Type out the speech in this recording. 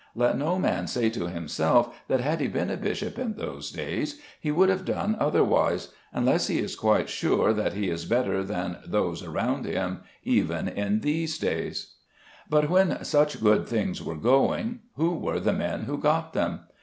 Let no man say to himself that had he been a bishop in those days he would have done otherwise, unless he is quite sure that he is better than those around him, even in these days. But when such good things were going who were the men who got them?